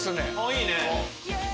いいね。